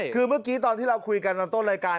คือเมื่อกี้ตอนที่เราคุยกันตอนต้นรายการ